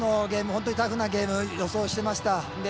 本当にタフなゲームを予想してました。